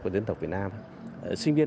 các bạn học viên đều hào hứng tham gia